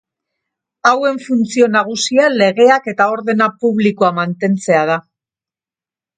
Hauen funtzio nagusia legeak eta ordena publikoa mantentzea da.